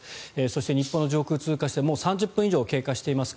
そして日本の上空を通過してもう３０分以上経過しています。